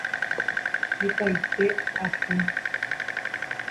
hetaite atĩ